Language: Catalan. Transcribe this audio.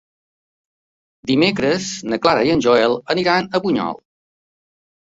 Dimecres na Clara i en Joel aniran a Bunyol.